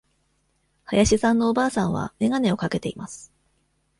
林さんのおばあさんは眼鏡をかけています。